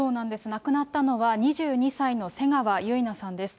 亡くなったのは、２２歳の瀬川結菜さんです。